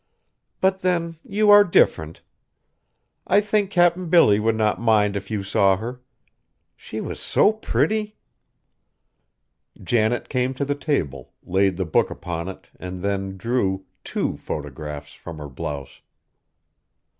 But then you are different. I think Cap'n Billy would not mind if you saw her. She was so pretty!" Janet came to the table, laid the book upon it, and then drew two photographs from her blouse!